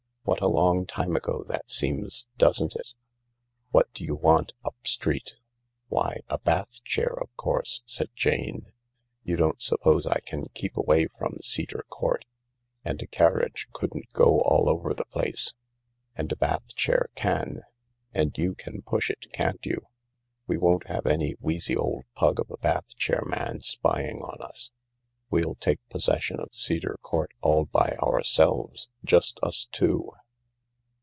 What a long time ago that seems, doesn't it ?"" What do you want ' up street '?" "Why, a bath chair, of course," said Jane. "You don't suppose I can keep away from Cedar Court ? And a carriage couldn't go all over the place. And a bath chair can. And you can push it, can't you ? We won't have any wheezy old pug of a bath chair man spying on us. We'll take possession of Cedar Court all by ourselves— just us two."